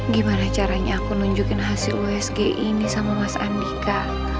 gimana caranya aku nunjukin hasil usg ini sama mas andika